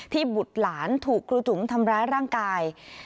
บุตรหลานถูกครูจุ๋มทำร้ายร่างกาย